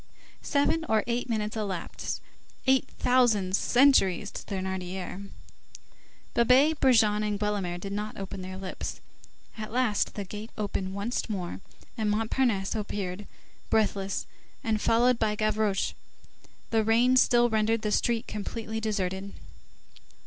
Seven or eight minutes elapsed, eight thousand centuries to Thénardier; Babet, Brujon, and Guelemer did not open their lips; at last the gate opened once more, and Montparnasse appeared, breathless, and followed by Gavroche. The rain still rendered the street completely deserted.